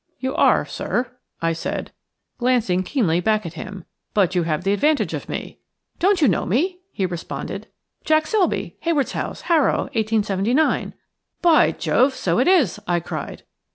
"You are, sir," I said, glancing keenly back at him, "but you have the advantage of me." "Don't you know me?" he responded, "Jack Selby, Hayward's House, Harrow, 1879." "By Jove! so it is," I cried.